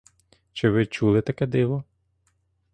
Чи ви чули таке диво?